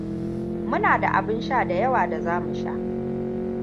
Muna da abin sha da yawa da za mu sha.